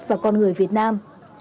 và con người việt nam